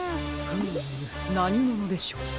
フームなにものでしょう。